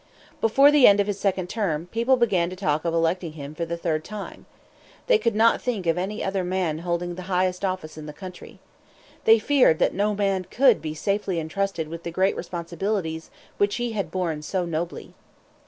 Before the end of his second term, people began to talk about electing him for the third time. They could not think of any other man holding the highest office in the country. They feared that no other man could be safely entrusted with the great responsibilities which he had borne so nobly.